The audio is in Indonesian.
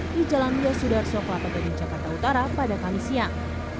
di jalan biasudar soeklapak dan jepang utara pada kamis siang